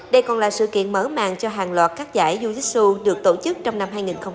đây còn là sự kiện mở màng cho hàng loạt các giải jujitsu được tổ chức trong năm hai nghìn hai mươi